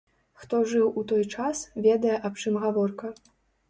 Хто жыў у той час, ведае аб чым гаворка.